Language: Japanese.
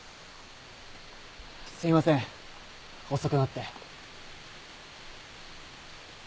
すいません遅くなって。